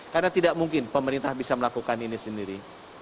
karena tidak mungkin pemerintah bisa melakukan ini sendiri